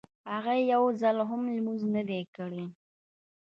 هغه يو ځل هم لمونځ نه دی کړی.